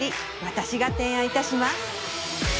私が提案いたします